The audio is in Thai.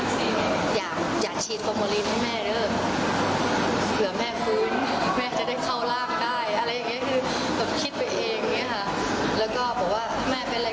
แม่ก็ได้หลับไปอย่างที่แม่สมฝันธนาแล้วคิดว่าเป็นบุญมากแล้ว